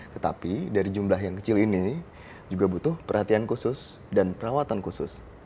tetapi dari jumlah yang kecil ini juga butuh perhatian khusus dan perawatan khusus